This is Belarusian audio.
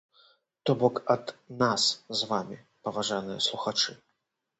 То бок ад нас з вамі, паважаныя слухачы!